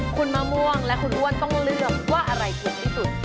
คุณมะม่วงและคุณอ้วนต้องเลือกว่าอะไรถูกที่สุด